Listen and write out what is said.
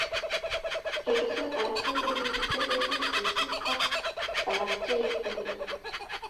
Kikiset alak eng olekitilee tikitishek aka alak cheikwerie